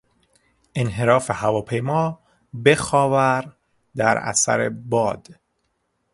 انحراف هواپیما به خاور در اثر باد